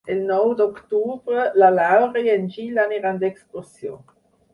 El nou d'octubre na Laura i en Gil aniran d'excursió.